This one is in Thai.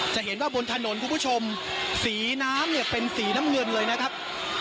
จะเห็นว่าบนถนนคุณผู้ชมสีน้ำเนี่ยเป็นสีน้ำเงินเลยนะครับ